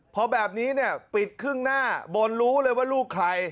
พอแบบนี้เนี่ยปิดครึ่งหน้าบนรู้เลยว่าลูกใคร